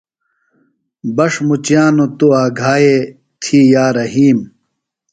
بݜ مچِیانوۡ توۡ آگھائے تھی یا رحیم۔